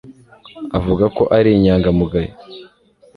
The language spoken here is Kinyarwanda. avuga ko ari inyangamugayo